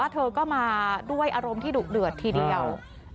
เธอก็มาด้วยอารมณ์ที่ดุเดือดทีเดียว